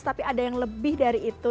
tapi ada yang lebih dari itu